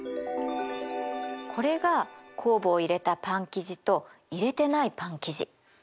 これが酵母を入れたパン生地と入れてないパン生地。